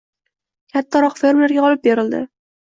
kattaroq «fermer»ga olib berildi.